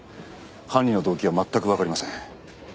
犯人の動機が全くわかりません。